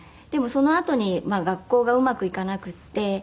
でもそのあとに学校がうまくいかなくって。